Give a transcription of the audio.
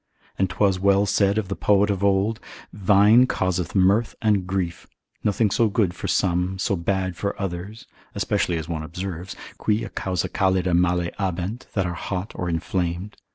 And 'twas well said of the poet of old, Vine causeth mirth and grief, nothing so good for some, so bad for others, especially as one observes, qui a causa calida male habent, that are hot or inflamed.